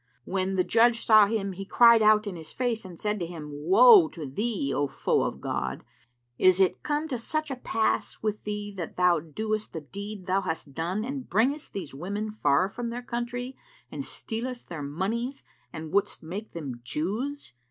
When the judge saw him, he cried out in his face and said to him, "Woe to thee, O foe of God, is it come to such a pass with thee that thou doest the deed thou hast done and bringest these women far from their country and stealest their monies and wouldst make them Jews?